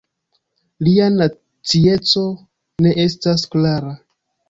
Lia nacieco ne estas klara.